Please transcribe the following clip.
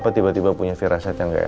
papa tiba tiba punya viraset yang gak enak